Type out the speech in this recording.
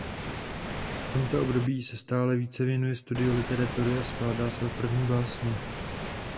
V tomto období se stále více věnuje studiu literatury a skládá své první básně.